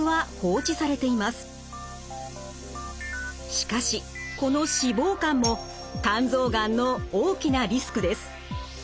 しかしこの脂肪肝も肝臓がんの大きなリスクです。